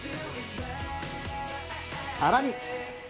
さらに。